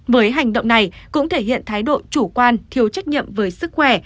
với hành động này cũng thể hiện thái độ chủ quan thiếu trách nhiệm với sức khỏe